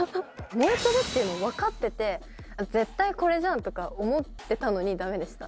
燃えてるっていうのが分かってて、絶対これだなって思ってたのに、だめでした。